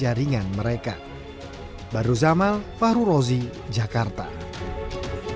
ketiga tersangka yang tewas yakni gun am dan ia